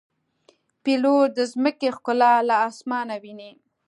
پیلوټ د ځمکې ښکلا له آسمانه ویني.